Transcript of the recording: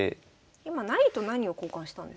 今何と何を交換したんですか？